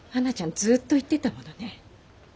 ずっと言ってたものね。